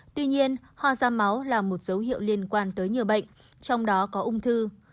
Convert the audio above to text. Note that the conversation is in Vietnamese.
tuy nhiên ho da máu là một dấu hiệu liên quan tới nhiều bệnh trong đó có ung thư